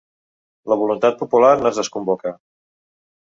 La voluntat popular no es desconvoca!